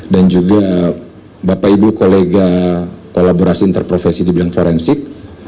dan juga bapak ibu kolega kolaborasi interprofesi di bilang forensik